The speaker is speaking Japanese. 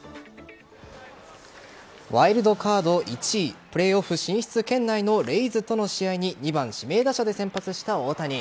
ワイルドカード１位プレーオフ進出圏内のレイズとの試合に２番・指名打者で先発した大谷。